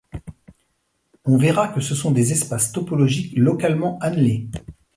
On verra que ce sont des espaces topologiques localement annelés.